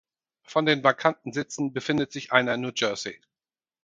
Von den vakanten Sitzen befindet sich einer in New Jersey.